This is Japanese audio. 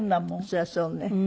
そりゃそうね。